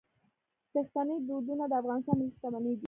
پښتني دودونه د افغانستان ملي شتمني ده.